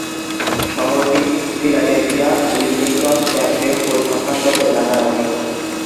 শহরটি ফিলাডেলফিয়া-উইলমিংটন-ক্যামডেন পরিসংখ্যানগত এলাকার অংশ।